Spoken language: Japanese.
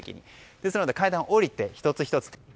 ですので階段を下りて１つ１つ。